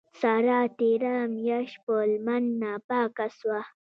سارا تېره مياشت په لمن ناپاکه سوه.